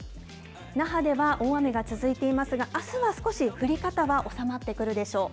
那覇では大雨が続いていますが、あすは少し降り方は収まってくるでしょう。